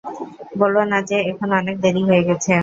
বলো না যে, এখন অনেক দেরি হয়ে গেছে।